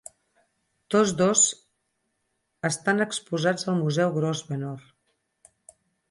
Tots dos estan exposats al Museu Grosvenor.